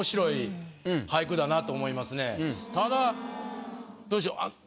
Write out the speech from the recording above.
すごいただどうでしょう。